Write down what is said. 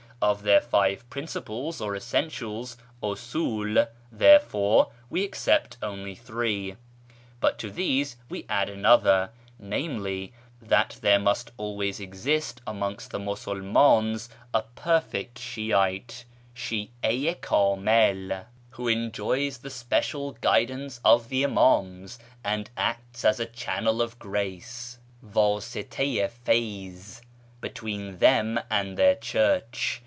Of their five principles or essentials (tcsiil), therefore, we accept only three ; but to these we add another, namely, that there must always exist amongst the Musulmans a ' Perfect Shi'ite ' (Shi a i kdmil) who enjoys the special KIRMAN society 475 guidance of the Imams, aud acts as a Channel of Grace ( Wdsita i feyz) between tliem and their Church.